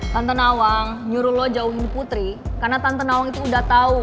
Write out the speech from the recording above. tante nawang nyuruh lo jauhin putri karena tante nawang itu udah tahu